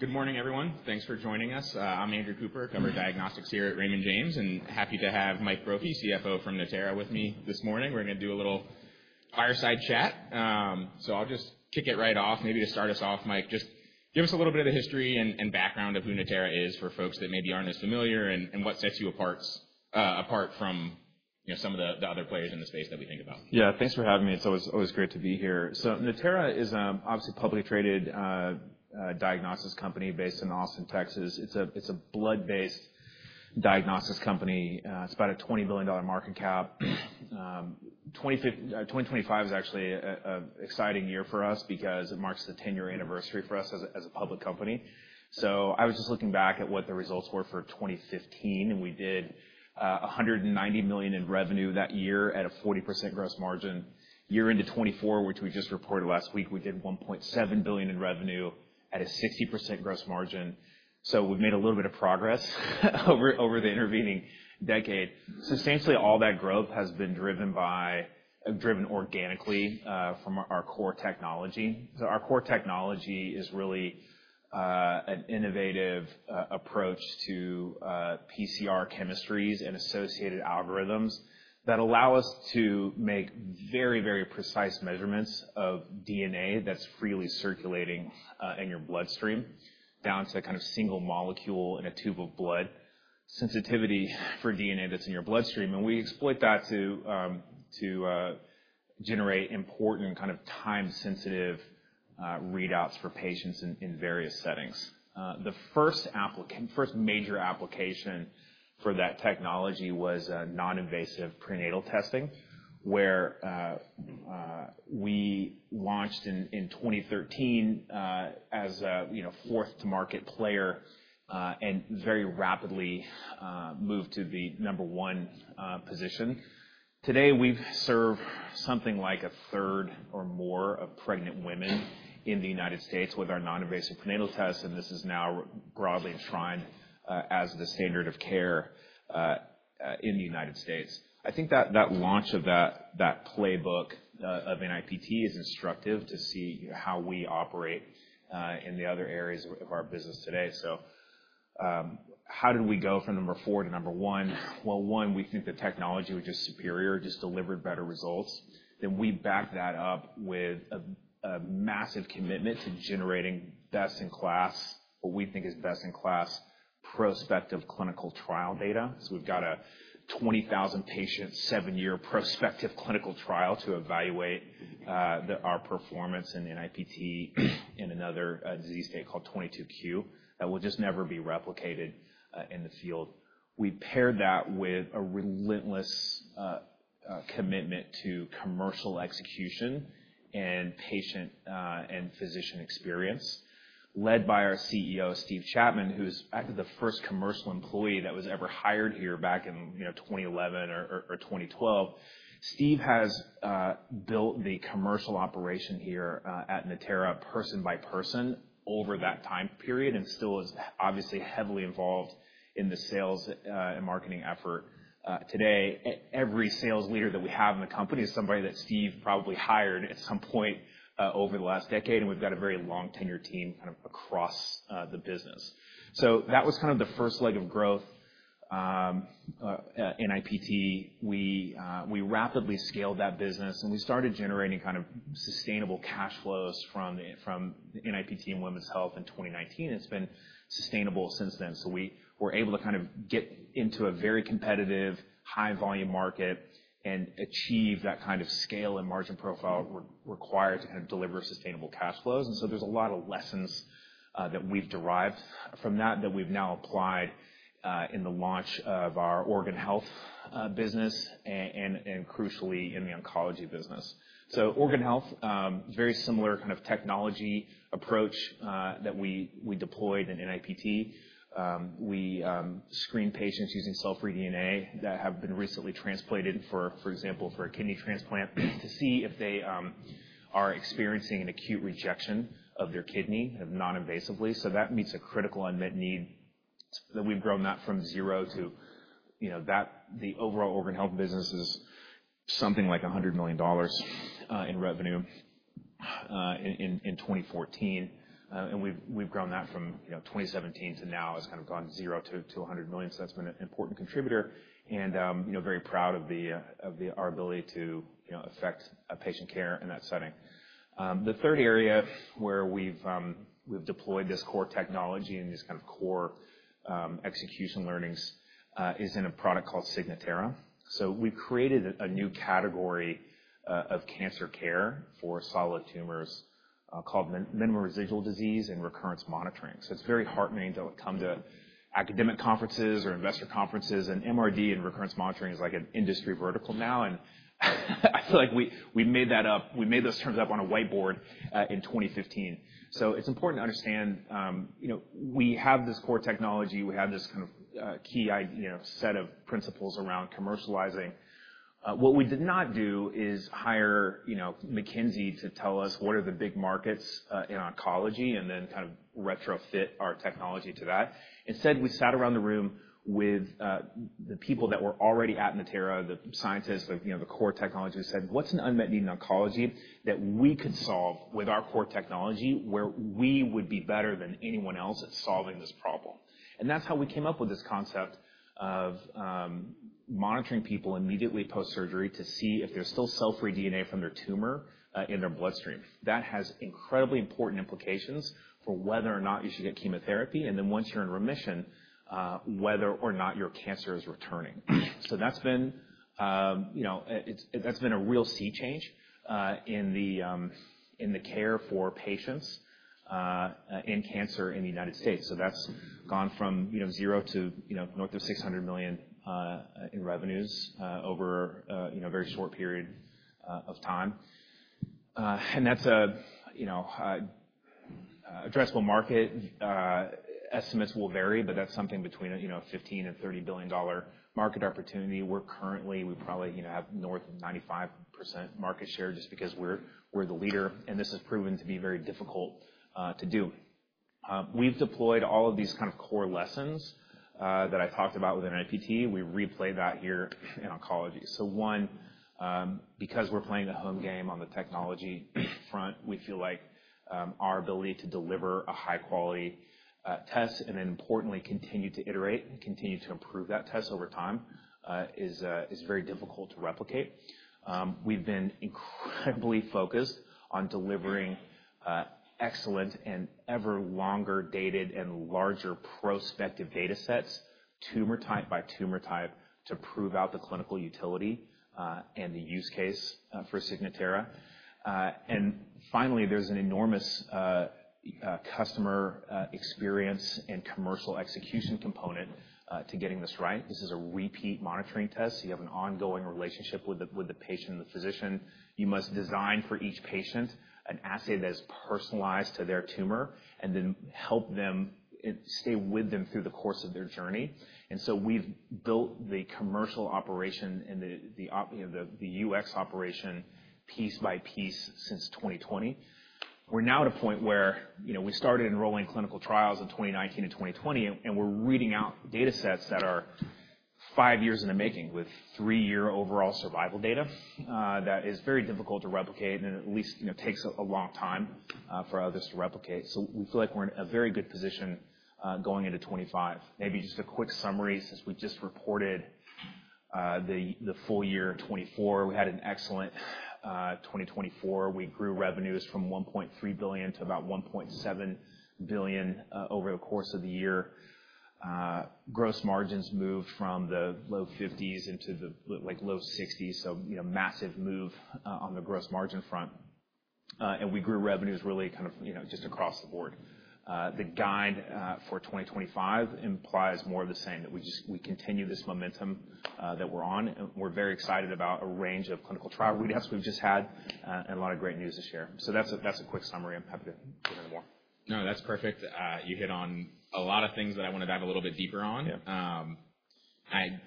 Good morning, everyone. Thanks for joining us. I'm Andrew Cooper, cover diagnostics here at Raymond James, and happy to have Mike Brophy, CFO from Natera, with me this morning. We're gonna do a little fireside chat. So I'll just kick it right off. Maybe to start us off, Mike, just give us a little bit of the history and background of who Natera is for folks that maybe aren't as familiar, and what sets you apart from, you know, some of the other players in the space that we think about. Yeah, thanks for having me. It's always, always great to be here. So Natera is, obviously, a publicly traded diagnostics company based in Austin, Texas. It's a, it's a blood-based diagnostics company. It's about a $20 billion market cap. 2015, 2025 is actually a, a, exciting year for us because it marks the 10-year anniversary for us as a, as a public company. So I was just looking back at what the results were for 2015, and we did $190 million in revenue that year at a 40% gross margin. Into 2024, which we just reported last week, we did $1.7 billion in revenue at a 60% gross margin. So we've made a little bit of progress over, over the intervening decade. Substantially, all that growth has been driven by, driven organically, from our core technology. Our core technology is really an innovative approach to PCR chemistries and associated algorithms that allow us to make very, very precise measurements of DNA that's freely circulating in your bloodstream down to kind of single molecule in a tube of blood sensitivity for DNA that's in your bloodstream. We exploit that to generate important kind of time-sensitive readouts for patients in various settings. The first major application for that technology was non-invasive prenatal testing, where we launched in 2013 as a you know fourth-to-market player, and very rapidly moved to the number one position. Today, we serve something like a third or more of pregnant women in the United States with our non-invasive prenatal test. This is now broadly enshrined as the standard of care in the United States. I think that launch of that playbook of NIPT is instructive to see, you know, how we operate in the other areas of our business today. So, how did we go from number four to number one? Well, one, we think the technology was just superior, just delivered better results. Then we back that up with a massive commitment to generating best-in-class, what we think is best-in-class prospective clinical trial data. So we've got a 20,000-patient, seven-year prospective clinical trial to evaluate our performance in NIPT in another disease state called 22q that will just never be replicated in the field. We paired that with a relentless commitment to commercial execution and patient and physician experience, led by our CEO, Steve Chapman, who is actually the first commercial employee that was ever hired here back in, you know, 2011 or 2012. Steve has built the commercial operation here at Natera person by person over that time period and still is obviously heavily involved in the sales and marketing effort today. Every sales leader that we have in the company is somebody that Steve probably hired at some point over the last decade, and we've got a very long tenure team kind of across the business, so that was kind of the first leg of growth, NIPT. We rapidly scaled that business, and we started generating kind of sustainable cash flows from NIPT and Women's Health in 2019. It's been sustainable since then, so we were able to kind of get into a very competitive high-volume market and achieve that kind of scale and margin profile required to kind of deliver sustainable cash flows. And so there's a lot of lessons that we've derived from that that we've now applied in the launch of our organ health business and and crucially in the oncology business. So organ health very similar kind of technology approach that we deployed in NIPT. We screen patients using cell-free DNA that have been recently transplanted for example for a kidney transplant to see if they are experiencing an acute rejection of their kidney non-invasively. So that meets a critical unmet need that we've grown that from zero to you know that the overall organ health business is something like $100 million in revenue in 204. And we've grown that from you know 2017 to now has kind of gone zero to $100 million. So that's been an important contributor. You know, very proud of our ability to, you know, affect patient care in that setting. The third area where we've deployed this core technology and these kind of core execution learnings is in a product called Signatera. So we've created a new category of cancer care for solid tumors, called minimal residual disease and recurrence monitoring. So it's very heartening to come to academic conferences or investor conferences, and MRD and recurrence monitoring is like an industry vertical now, and I feel like we made that up. We made those terms up on a whiteboard in 2015, so it's important to understand, you know, we have this core technology. We have this kind of key idea, you know, set of principles around commercializing. What we did not do is hire, you know, McKinsey to tell us what are the big markets in oncology and then kind of retrofit our technology to that. Instead, we sat around the room with the people that were already at Natera, the scientists, the, you know, the core technology, said, "What's an unmet need in oncology that we could solve with our core technology where we would be better than anyone else at solving this problem?" And that's how we came up with this concept of monitoring people immediately post-surgery to see if they're still cell-free DNA from their tumor in their bloodstream. That has incredibly important implications for whether or not you should get chemotherapy. And then once you're in remission, whether or not your cancer is returning. So that's been, you know, it's, it's that's been a real sea change in the care for patients in cancer in the United States. So that's gone from, you know, zero to, you know, north of $600 million in revenues over, you know, a very short period of time. And that's a, you know, addressable market. Estimates will vary, but that's something between, you know, a $15-$30 billion market opportunity. We're currently, we probably, you know, have north of 95% market share just because we're the leader. And this has proven to be very difficult to do. We've deployed all of these kind of core lessons that I talked about with NIPT. We replayed that here in oncology. So, one, because we're playing a home game on the technology front, we feel like our ability to deliver a high-quality test and then importantly continue to iterate and continue to improve that test over time is very difficult to replicate. We've been incredibly focused on delivering excellent and ever longer dated and larger prospective data sets tumor type by tumor type to prove out the clinical utility and the use case for Signatera, and finally, there's an enormous customer experience and commercial execution component to getting this right. This is a repeat monitoring test. You have an ongoing relationship with the patient and the physician. You must design for each patient an assay that is personalized to their tumor and then help them and stay with them through the course of their journey. And so we've built the commercial operation and the op, you know, the UX operation piece by piece since 2020. We're now at a point where, you know, we started enrolling clinical trials in 2019 and 2020, and we're reading out data sets that are five years in the making with three-year overall survival data, that is very difficult to replicate and at least, you know, takes a long time for others to replicate. So we feel like we're in a very good position, going into 2025. Maybe just a quick summary since we just reported the full year 2024. We had an excellent 2024. We grew revenues from $1.3 billion to about $1.7 billion over the course of the year. Gross margins moved from the low 50s% into the like low 60s%. So, you know, massive move on the gross margin front. And we grew revenues really kind of, you know, just across the board. The guide for 2025 implies more of the same, that we just, we continue this momentum that we're on. And we're very excited about a range of clinical trial readouts we've just had, and a lot of great news to share. So that's a, that's a quick summary. I'm happy to give any more. No, that's perfect. You hit on a lot of things that I want to dive a little bit deeper on. Yeah. I'm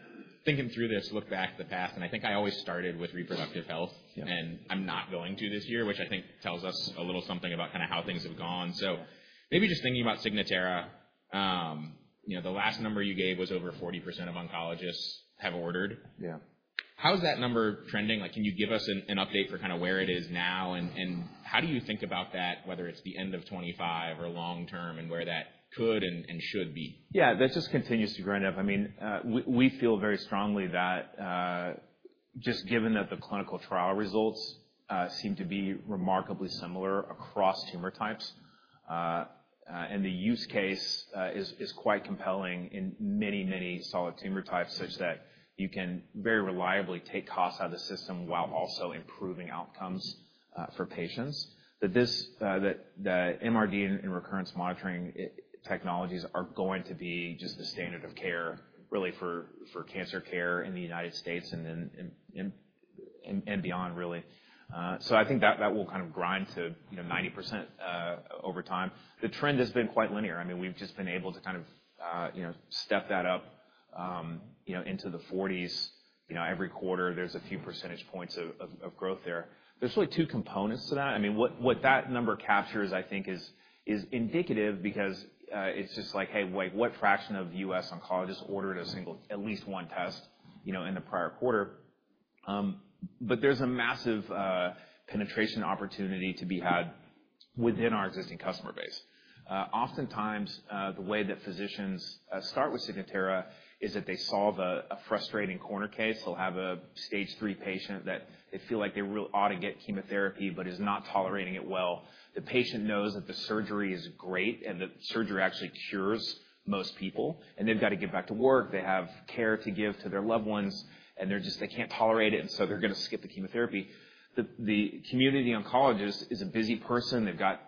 thinking through this, looking back at the past, and I think I always started with reproductive health. Yeah. And I'm not going to this year, which I think tells us a little something about kind of how things have gone. So maybe just thinking about Signatera, you know, the last number you gave was over 40% of oncologists have ordered. Yeah. How's that number trending? Like, can you give us an update for kind of where it is now? And how do you think about that, whether it's the end of 2025 or long term and where that could and should be? Yeah, that just continues to grind up. I mean, we feel very strongly that, just given that the clinical trial results seem to be remarkably similar across tumor types, and the use case is quite compelling in many solid tumor types such that you can very reliably take costs out of the system while also improving outcomes for patients. That this MRD and recurrence monitoring technologies are going to be just the standard of care really for cancer care in the United States and then beyond really. So I think that will kind of grind to, you know, 90% over time. The trend has been quite linear. I mean, we've just been able to kind of, you know, step that up, you know, into the 40s. You know, every quarter there's a few percentage points of growth there. There's really two components to that. I mean, what that number captures, I think, is indicative because it's just like, hey, like, what fraction of U.S. oncologists ordered a single, at least one test, you know, in the prior quarter? But there's a massive penetration opportunity to be had within our existing customer base. Oftentimes, the way that physicians start with Signatera is that they solve a frustrating corner case. They'll have a stage three patient that they feel like they really ought to get chemotherapy but is not tolerating it well. The patient knows that the surgery is great and that surgery actually cures most people, and they've got to get back to work. They have care to give to their loved ones, and they're just, they can't tolerate it. And so they're going to skip the chemotherapy. The community oncologist is a busy person. They've got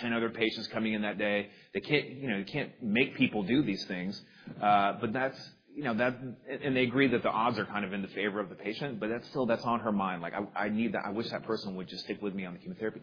10 other patients coming in that day. They can't, you know, you can't make people do these things. But that's, you know, that and they agree that the odds are kind of in the favor of the patient, but that's still, that's on her mind. Like, I need that. I wish that person would just stick with me on the chemotherapy.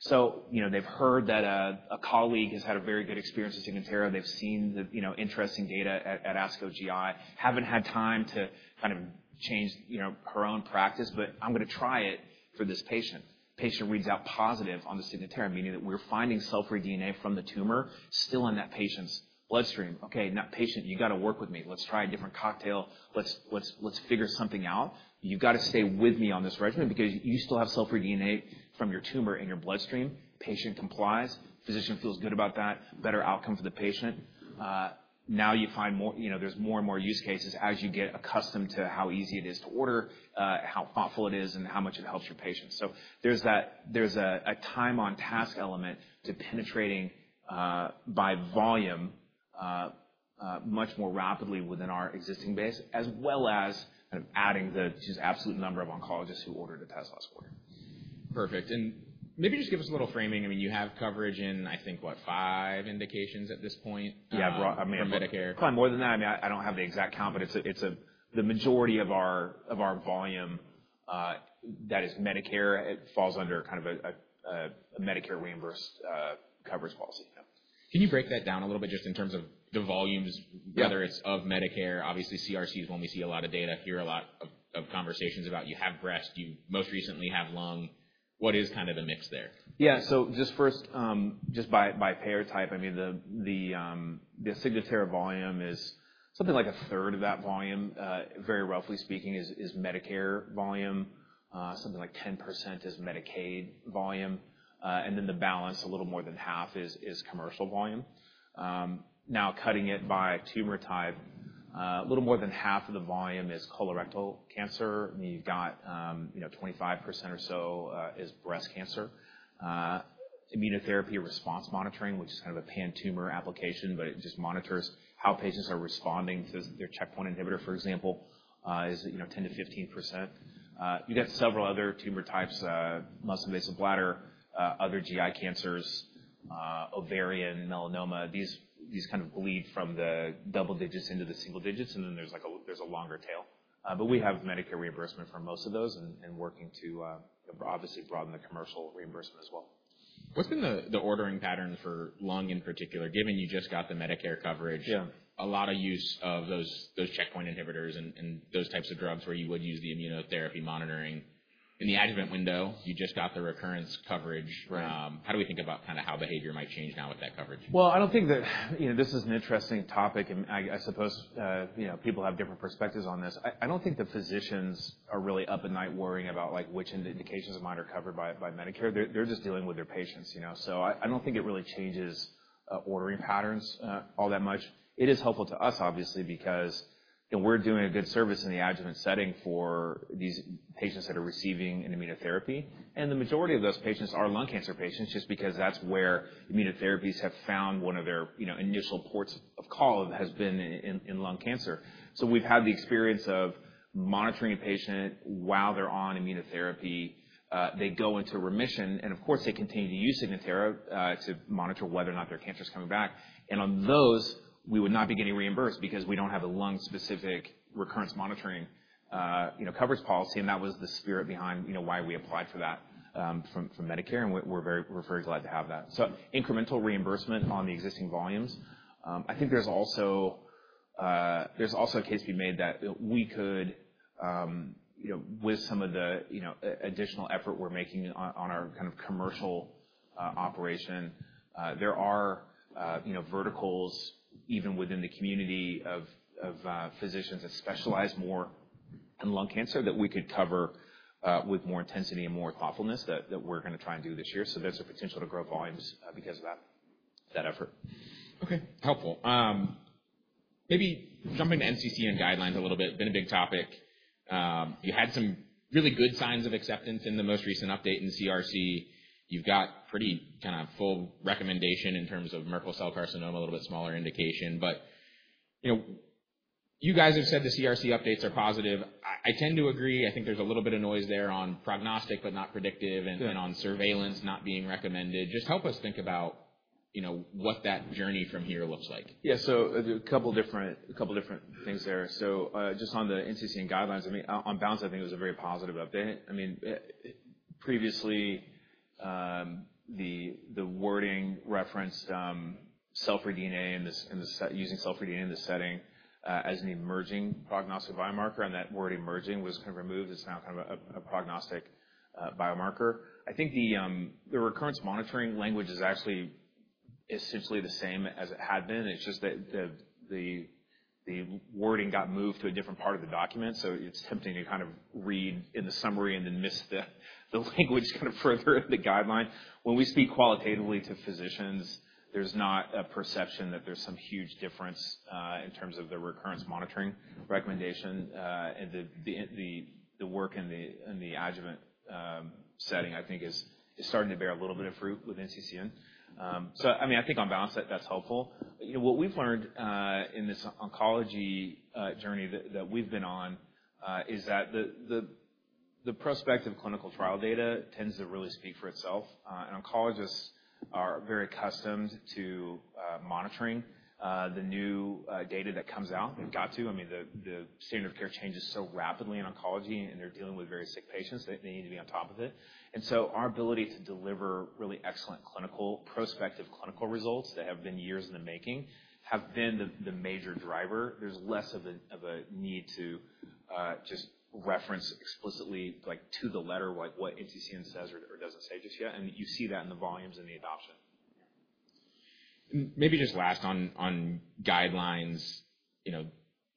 So, you know, they've heard that a colleague has had a very good experience with Signatera. They've seen the, you know, interesting data at ASCO GI. Haven't had time to kind of change, you know, her own practice, but I'm going to try it for this patient. Patient reads out positive on the Signatera, meaning that we're finding cell-free DNA from the tumor still in that patient's bloodstream. Okay, now patient, you got to work with me. Let's try a different cocktail. Let's figure something out. You've got to stay with me on this regimen because you still have cell-free DNA from your tumor in your bloodstream. Patient complies. Physician feels good about that. Better outcome for the patient. Now you find more, you know, there's more and more use cases as you get accustomed to how easy it is to order, how thoughtful it is, and how much it helps your patients. So there's that, there's a time on task element to penetrating, by volume, much more rapidly within our existing base, as well as kind of adding the just absolute number of oncologists who ordered a Signatera here. Perfect. And maybe just give us a little framing. I mean, you have coverage in, I think, what, five indications at this point. Yeah, broad. I mean, probably more than that. I mean, I don't have the exact count, but it's the majority of our volume, that is Medicare, it falls under kind of a Medicare reimbursed coverage policy. Can you break that down a little bit just in terms of the volumes, whether it's of Medicare? Obviously, CRC is one we see a lot of data here, a lot of conversations about you have breast, you most recently have lung. What is kind of the mix there? Yeah. So just first, by payer type, I mean, the Signatera volume is something like a third of that volume, very roughly speaking, is Medicare volume. Something like 10% is Medicaid volume. And then the balance, a little more than half, is commercial volume. Now, cutting it by tumor type, a little more than half of the volume is colorectal cancer. And you've got, you know, 25% or so is breast cancer. Immunotherapy response monitoring, which is kind of a pan-tumor application, but it just monitors how patients are responding to their checkpoint inhibitor, for example, is, you know, 10-15%. You've got several other tumor types, muscle-invasive bladder, other GI cancers, ovarian, melanoma. These kind of bleed from the double digits into the single digits. And then there's like a longer tail. but we have Medicare reimbursement for most of those and working to, obviously, broaden the commercial reimbursement as well. What's been the ordering pattern for lung in particular, given you just got the Medicare coverage? Yeah. A lot of use of those checkpoint inhibitors and those types of drugs where you would use the immunotherapy monitoring in the adjuvant window. You just got the recurrence coverage. Right. How do we think about kind of how behavior might change now with that coverage? I don't think that, you know, this is an interesting topic. I suppose, you know, people have different perspectives on this. I don't think the physicians are really up at night worrying about, like, which indications of mine are covered by Medicare. They're just dealing with their patients, you know? So I don't think it really changes ordering patterns all that much. It is helpful to us, obviously, because, you know, we're doing a good service in the adjuvant setting for these patients that are receiving an immunotherapy. The majority of those patients are lung cancer patients just because that's where immunotherapies have found one of their, you know, initial ports of call has been in lung cancer. So we've had the experience of monitoring a patient while they're on immunotherapy. They go into remission, and of course they continue to use Signatera to monitor whether or not their cancer is coming back. And on those, we would not be getting reimbursed because we don't have a lung-specific recurrence monitoring, you know, coverage policy. And that was the spirit behind, you know, why we applied for that from Medicare. And we're very glad to have that. So incremental reimbursement on the existing volumes. I think there's also a case to be made that we could, you know, with some of the, you know, additional effort we're making on our kind of commercial operation, there are, you know, verticals even within the community of physicians that specialize more in lung cancer that we could cover with more intensity and more thoughtfulness that we're going to try and do this year. So there's a potential to grow volumes, because of that effort. Okay. Helpful. Maybe jumping to NCCN guidelines a little bit. Been a big topic. You had some really good signs of acceptance in the most recent update in CRC. You've got pretty kind of full recommendation in terms of Merkel cell carcinoma, a little bit smaller indication. But, you know, you guys have said the CRC updates are positive. I tend to agree. I think there's a little bit of noise there on prognostic, but not predictive and on surveillance not being recommended. Just help us think about, you know, what that journey from here looks like. Yeah, so a couple different things there, so just on the NCCN guidelines, I mean, on balance, I think it was a very positive update. I mean, previously, the wording referenced cell-free DNA in this setting using cell-free DNA in this setting as an emerging prognostic biomarker, and that word emerging was kind of removed. It's now kind of a prognostic biomarker. I think the recurrence monitoring language is actually essentially the same as it had been. It's just that the wording got moved to a different part of the document, so it's tempting to kind of read in the summary and then miss the language kind of further in the guideline. When we speak qualitatively to physicians, there's not a perception that there's some huge difference in terms of the recurrence monitoring recommendation. and the work in the adjuvant setting, I think, is starting to bear a little bit of fruit with NCCN, so I mean, I think on balance, that's helpful. You know, what we've learned in this oncology journey that we've been on is that the prospective clinical trial data tends to really speak for itself, and oncologists are very accustomed to monitoring the new data that comes out. They've got to. I mean, the standard of care changes so rapidly in oncology, and they're dealing with very sick patients. They need to be on top of it, and so our ability to deliver really excellent clinical prospective clinical results that have been years in the making have been the major driver. There's less of a need to just reference explicitly, like to the letter, like what NCCN says or doesn't say just yet, and you see that in the volumes and the adoption. Maybe just last one on guidelines, you know,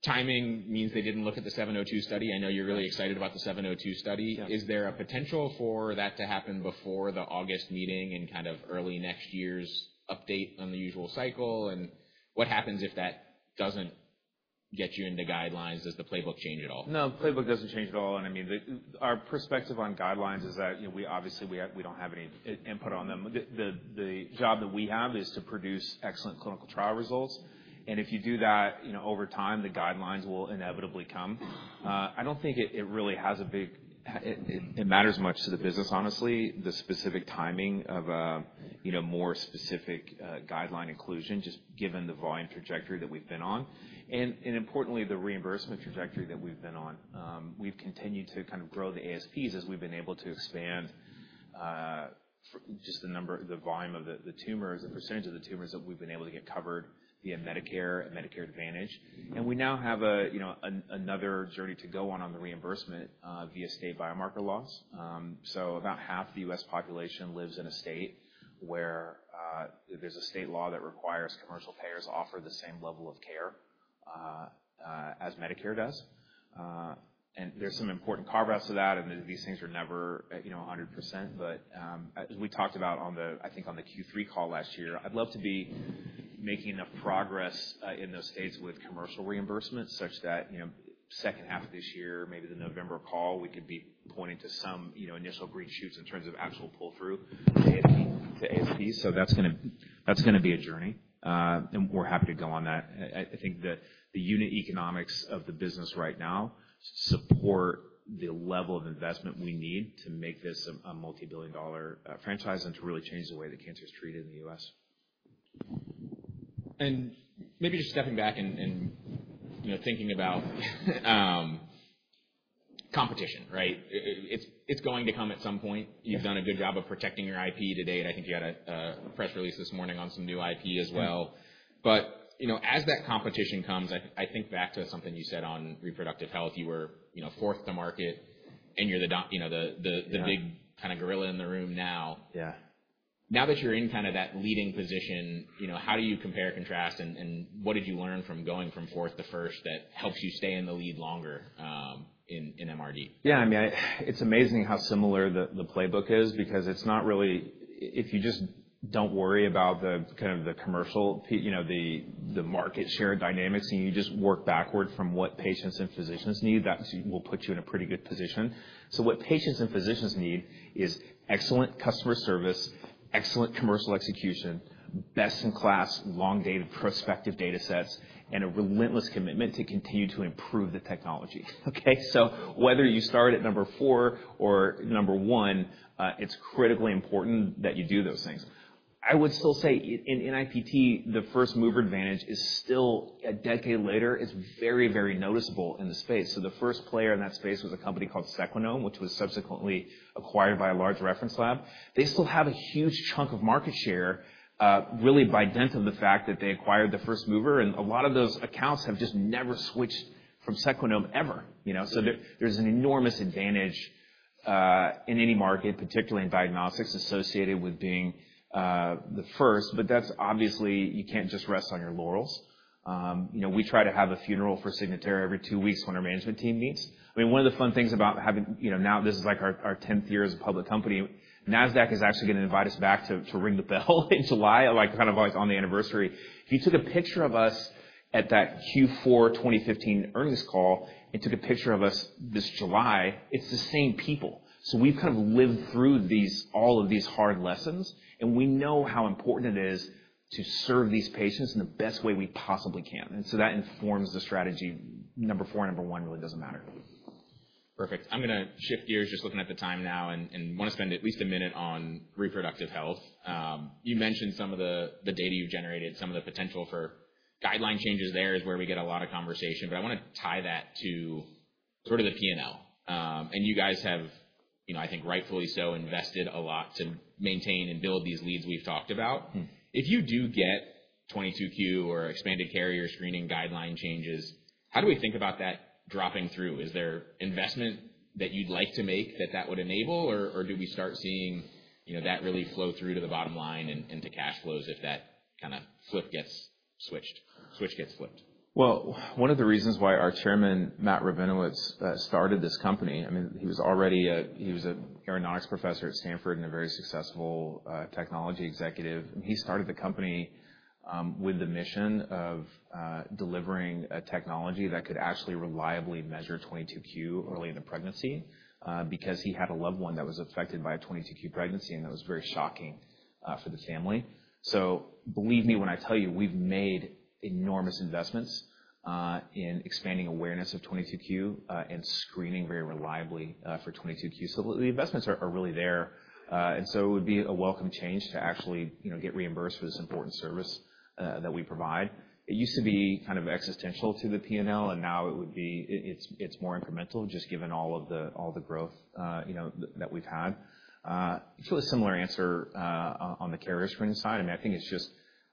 timing means they didn't look at the 702 study. I know you're really excited about the 702 study. Is there a potential for that to happen before the August meeting and kind of early next year's update on the usual cycle? And what happens if that doesn't get you into guidelines? Does the playbook change at all? No, the playbook doesn't change at all. And I mean, our perspective on guidelines is that, you know, we obviously, we have, we don't have any input on them. The job that we have is to produce excellent clinical trial results. And if you do that, you know, over time, the guidelines will inevitably come. I don't think it really has a big, it matters much to the business, honestly, the specific timing of, you know, more specific guideline inclusion, just given the volume trajectory that we've been on. And importantly, the reimbursement trajectory that we've been on. We've continued to kind of grow the ASPs as we've been able to expand, just the number, the volume of the tumors, the percentage of the tumors that we've been able to get covered via Medicare and Medicare Advantage. And we now have a, you know, another journey to go on, on the reimbursement, via state biomarker laws. So about half the U.S. population lives in a state where, there's a state law that requires commercial payers to offer the same level of care, as Medicare does. And there's some important carve-outs to that. And these things are never, you know, 100%. But, as we talked about on the, I think on the Q3 call last year, I'd love to be making enough progress, in those states with commercial reimbursement such that, you know, second half of this year, maybe the November call, we could be pointing to some, you know, initial green shoots in terms of actual pull-through to ASPs. So that's going to, that's going to be a journey. And we're happy to go on that. I think that the unit economics of the business right now support the level of investment we need to make this a multi-billion-dollar franchise and to really change the way that cancer is treated in the U.S. And maybe just stepping back and you know thinking about competition right? It's going to come at some point. You've done a good job of protecting your IP to date. I think you had a press release this morning on some new IP as well. But you know as that competition comes I think back to something you said on reproductive health. You were you know fourth to market and you're the you know the big kind of gorilla in the room now. Yeah. Now that you're in kind of that leading position, you know, how do you compare, contrast, and what did you learn from going from fourth to first that helps you stay in the lead longer, in MRD? Yeah. I mean, it's amazing how similar the playbook is because it's not really, if you just don't worry about the kind of the commercial, you know, the market share dynamics and you just work backward from what patients and physicians need, that will put you in a pretty good position. So what patients and physicians need is excellent customer service, excellent commercial execution, best-in-class, long-dated prospective data sets, and a relentless commitment to continue to improve the technology. Okay? So whether you start at number four or number one, it's critically important that you do those things. I would still say in NIPT, the first mover advantage is still a decade later. It's very, very noticeable in the space. So the first player in that space was a company called Sequenom, which was subsequently acquired by a large reference lab. They still have a huge chunk of market share, really by dent of the fact that they acquired the first mover, and a lot of those accounts have just never switched from Sequenom ever, you know? So, there's an enormous advantage, in any market, particularly in diagnostics associated with being the first. But that's obviously you can't just rest on your laurels, you know. We try to have a funeral for Signatera every two weeks when our management team meets. I mean, one of the fun things about having, you know, now this is like our 10th year as a public company. Nasdaq is actually going to invite us back to ring the bell in July, like kind of like on the anniversary. If you took a picture of us at that Q4 2015 earnings call and took a picture of us this July, it's the same people. So we've kind of lived through these, all of these hard lessons, and we know how important it is to serve these patients in the best way we possibly can. And so that informs the strategy. Number four and number one really doesn't matter. Perfect. I'm going to shift gears just looking at the time now and, and want to spend at least a minute on reproductive health. You mentioned some of the, the data you've generated, some of the potential for guideline changes there is where we get a lot of conversation. But I want to tie that to sort of the P&L. And you guys have, you know, I think rightfully so invested a lot to maintain and build these leads we've talked about. If you do get 22q or expanded carrier screening guideline changes, how do we think about that dropping through? Is there investment that you'd like to make that that would enable, or, or do we start seeing, you know, that really flow through to the bottom line and, and to cash flows if that kind of flip gets switched, switch gets flipped? One of the reasons why our chairman, Matt Rabinowitz, started this company. I mean, he was already, he was an aeronautics professor at Stanford and a very successful technology executive. He started the company with the mission of delivering a technology that could actually reliably measure 22q early in the pregnancy, because he had a loved one that was affected by a 22q pregnancy, and that was very shocking for the family. Believe me when I tell you, we've made enormous investments in expanding awareness of 22q, and screening very reliably for 22q. The investments are really there. It would be a welcome change to actually, you know, get reimbursed for this important service that we provide. It used to be kind of existential to the P&L, and now it would be, it's, it's more incremental just given all of the, all the growth, you know, that we've had. It's a similar answer, on the carrier screening side. I mean, I think it's just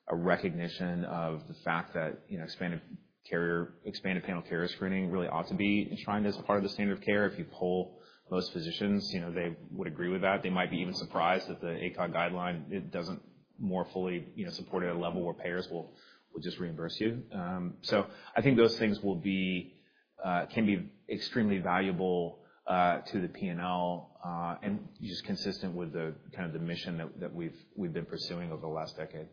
a recognition of the fact that, you know, expanded carrier, expanded panel carrier screening really ought to be enshrined as part of the standard of care. If you poll most physicians, you know, they would agree with that. They might be even surprised that the ACOG guideline, it doesn't more fully, you know, support at a level where payers will, will just reimburse you. So I think those things will be, can be extremely valuable, to the P&L, and just consistent with the kind of the mission that, that we've, we've been pursuing over the last decade.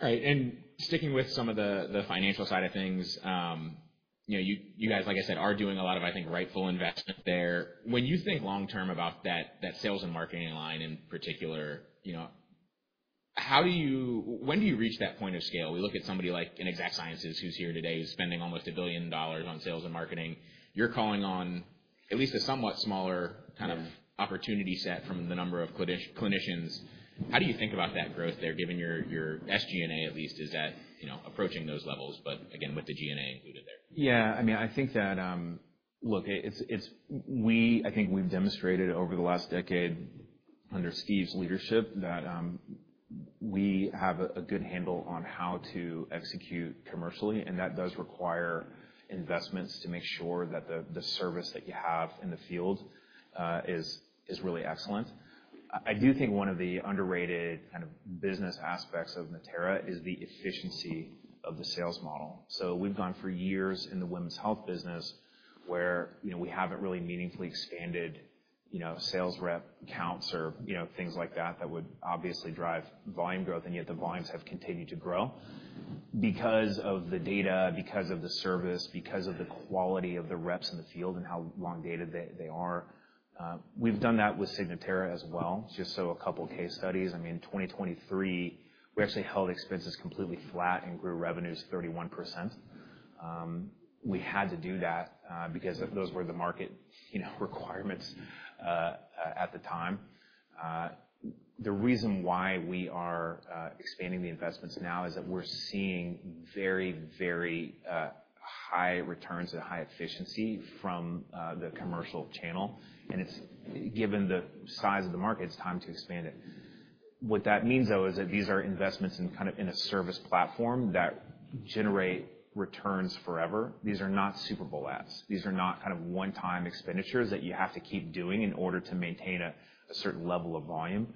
All right. Sticking with some of the financial side of things, you know, you guys, like I said, are doing a lot of, I think, rightful investment there. When you think long term about that sales and marketing line in particular, you know, how do you, when do you reach that point of scale? We look at somebody like Exact Sciences who's here today, who's spending almost $1 billion on sales and marketing. You're calling on at least a somewhat smaller kind of opportunity set from the number of clinicians. How do you think about that growth there, given your SG&A at least is at, you know, approaching those levels, but again, with the G&A included there? Yeah. I mean, I think that, look, it's we, I think we've demonstrated over the last decade under Steve's leadership that, we have a good handle on how to execute commercially. And that does require investments to make sure that the service that you have in the field is really excellent. I do think one of the underrated kind of business aspects of Natera is the efficiency of the sales model. So we've gone for years in the women's health business where, you know, we haven't really meaningfully expanded, you know, sales rep counts or, you know, things like that that would obviously drive volume growth. And yet the volumes have continued to grow because of the data, because of the service, because of the quality of the reps in the field and how long dated they are. We've done that with Signatera as well. Just so a couple of case studies. I mean, 2023, we actually held expenses completely flat and grew revenues 31%. We had to do that, because those were the market, you know, requirements, at the time. The reason why we are expanding the investments now is that we're seeing very, very high returns and high efficiency from the commercial channel. And it's given the size of the market, it's time to expand it. What that means though is that these are investments in kind of in a service platform that generate returns forever. These are not Super Bowl ads. These are not kind of one-time expenditures that you have to keep doing in order to maintain a certain level of volume.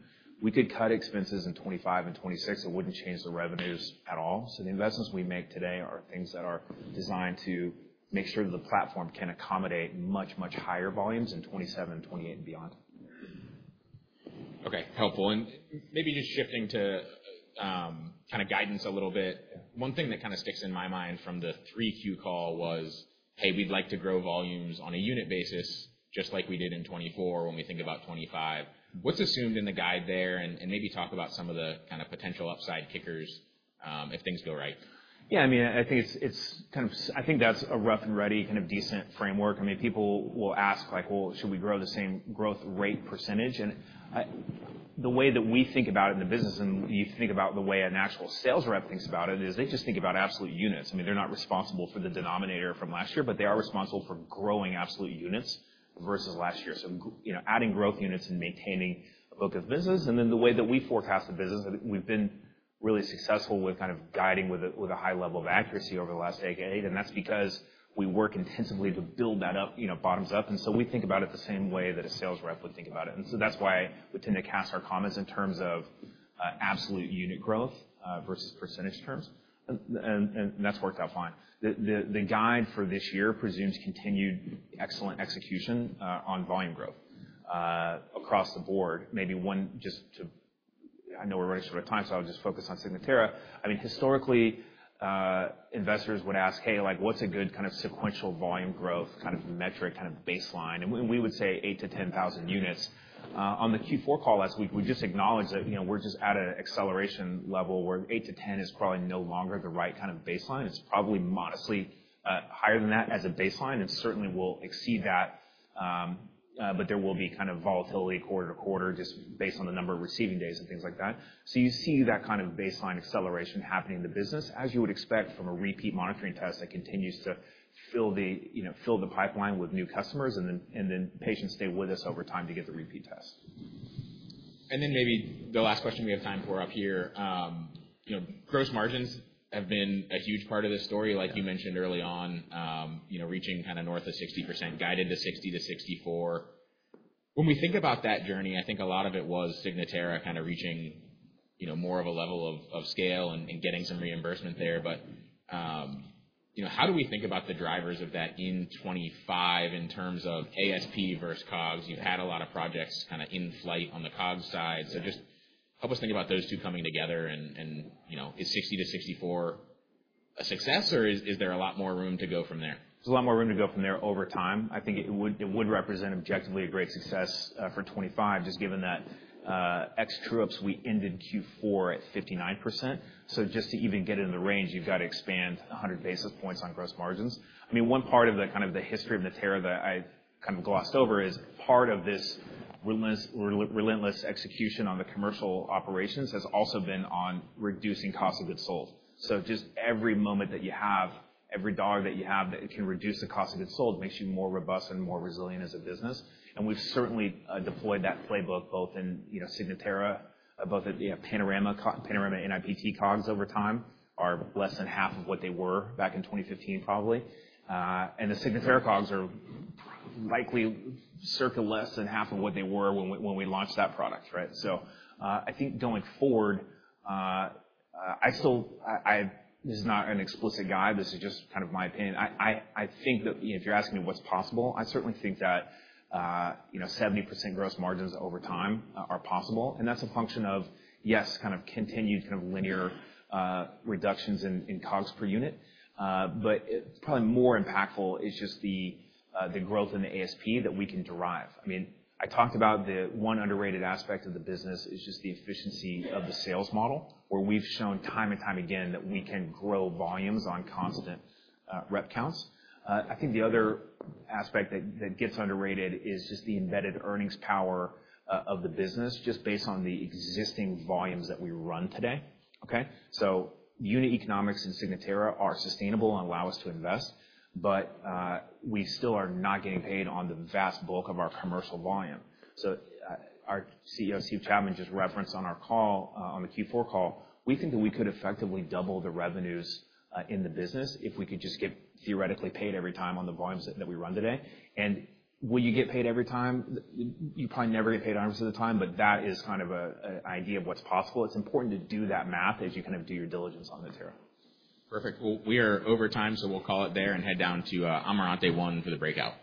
We could cut expenses in 25 and 26. It wouldn't change the revenues at all. So the investments we make today are things that are designed to make sure that the platform can accommodate much, much higher volumes in 2027, 2028, and beyond. Okay. Helpful. And maybe just shifting to, kind of guidance a little bit. One thing that kind of sticks in my mind from the 3Q call was, hey, we'd like to grow volumes on a unit basis just like we did in 24 when we think about 25. What's assumed in the guide there? And, and maybe talk about some of the kind of potential upside kickers, if things go right. Yeah. I mean, I think it's, it's kind of, I think that's a rough and ready kind of decent framework. I mean, people will ask like, well, should we grow the same growth rate percentage? And I, the way that we think about it in the business and you think about the way an actual sales rep thinks about it is they just think about absolute units. I mean, they're not responsible for the denominator from last year, but they are responsible for growing absolute units versus last year. So, you know, adding growth units and maintaining a book of business. And then the way that we forecast the business, we've been really successful with kind of guiding with a, with a high level of accuracy over the last decade. And that's because we work intensively to build that up, you know, bottoms up. And so we think about it the same way that a sales rep would think about it. And so that's why we tend to cast our comments in terms of absolute unit growth versus percentage terms. And that's worked out fine. The guide for this year presumes continued excellent execution on volume growth across the board. Maybe one just to, I know we're running short of time, so I'll just focus on Signatera. I mean, historically, investors would ask, hey, like what's a good kind of sequential volume growth kind of baseline? And we would say 8,000-10,000 units. On the Q4 call last week, we just acknowledged that, you know, we're just at an acceleration level where 8,000-10,000 is probably no longer the right kind of baseline. It's probably modestly higher than that as a baseline and certainly will exceed that. But there will be kind of volatility quarter to quarter just based on the number of receiving days and things like that. So you see that kind of baseline acceleration happening in the business as you would expect from a repeat monitoring test that continues to fill the, you know, fill the pipeline with new customers and then, and then patients stay with us over time to get the repeat test. And then maybe the last question we have time for up here, you know, gross margins have been a huge part of this story, like you mentioned early on, you know, reaching kind of north of 60%, guided to 60%-64%. When we think about that journey, I think a lot of it was Signatera kind of reaching, you know, more of a level of scale and getting some reimbursement there. But, you know, how do we think about the drivers of that in 2025 in terms of ASP versus COGS? You've had a lot of projects kind of in flight on the COGS side. So just help us think about those two coming together and, you know, is 60%-64% a success or is there a lot more room to go from there? There's a lot more room to go from there over time. I think it would, it would represent objectively a great success for 25 just given that, ex-true-up we ended Q4 at 59%. So just to even get it in the range, you've got to expand 100 basis points on gross margins. I mean, one part of the kind of the history of Natera that I kind of glossed over is part of this relentless, relentless execution on the commercial operations has also been on reducing cost of goods sold. So just every moment that you have, every dollar that you have that can reduce the cost of goods sold makes you more robust and more resilient as a business. We've certainly deployed that playbook both in, you know, Signatera and at, you know, Panorama. Panorama and NIPT COGS over time are less than half of what they were back in 2015 probably. And the Signatera COGS are likely circa less than half of what they were when we launched that product, right? So, I think going forward, I still this is not an explicit guide. This is just kind of my opinion. I think that, you know, if you're asking me what's possible, I certainly think that, you know, 70% gross margins over time are possible. And that's a function of, yes, kind of continued kind of linear reductions in COGS per unit. But it's probably more impactful is just the growth in the ASP that we can derive. I mean, I talked about the one underrated aspect of the business is just the efficiency of the sales model where we've shown time and time again that we can grow volumes on constant rep counts. I think the other aspect that, that gets underrated is just the embedded earnings power of the business just based on the existing volumes that we run today. Okay. So unit economics in Signatera are sustainable and allow us to invest, but we still are not getting paid on the vast bulk of our commercial volume. So, our CEO, Steve Chapman, just referenced on our call, on the Q4 call, we think that we could effectively double the revenues in the business if we could just get theoretically paid every time on the volumes that we run today. And will you get paid every time? You probably never get paid 100% of the time, but that is kind of a, an idea of what's possible. It's important to do that math as you kind of do your diligence on Natera. Perfect. Well, we are over time, so we'll call it there and head down to Amethyst 1 for the breakout.